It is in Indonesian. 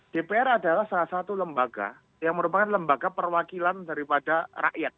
dpr adalah salah satu lembaga yang merupakan lembaga perwakilan daripada rakyat